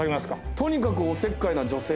とにかくおせっかいな女性。